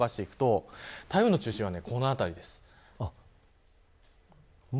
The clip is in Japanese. その後動かしていくと台風の位置はこの辺りです。